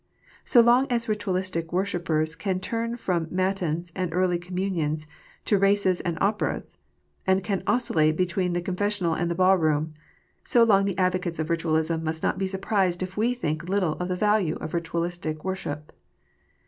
So long as Ritualistic worshippers can turn from matins and early com munions to races and operas, and can oscillate between the confessional and the ball room, so long the advocates of Ritualism must not be surprised if we think little^ of the value of Ritual istic worship.